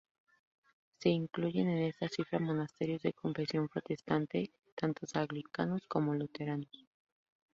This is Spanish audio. Se incluyen en esta cifra monasterios de confesión protestante, tanto anglicanos como luteranos.